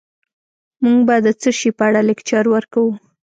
موږ به د څه شي په اړه لکچر ورکوو